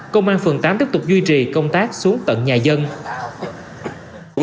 công an phường tám tiếp tục duy trì công tác xuống tận nhà dân